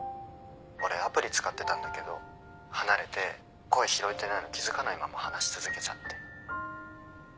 俺アプリ使ってたんだけど離れて声拾えてないの気付かないまま話し続けちゃって。